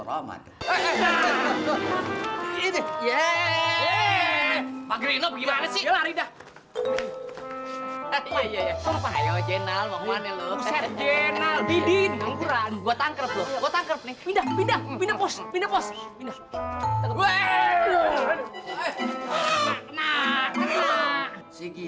lihat tuh si ibu ya